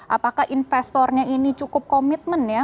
apakah investornya ini cukup komitmen ya